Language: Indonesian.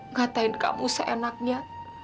ngatain kamu seenaknya